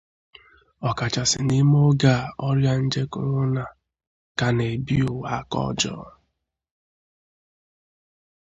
ọkachasị n'ime oge a ọrịa nje korona ka na-ebi ụwa aka ọjọọ.